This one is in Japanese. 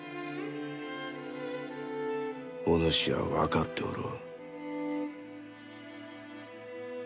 お主は分かっておろう？